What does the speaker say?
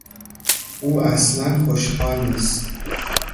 او اصلا خوشحال نیست.